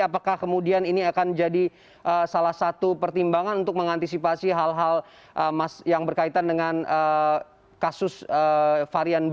apakah kemudian ini akan jadi salah satu pertimbangan untuk mengantisipasi hal hal yang berkaitan dengan kasus varian baru